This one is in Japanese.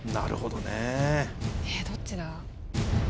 えっどっちだ？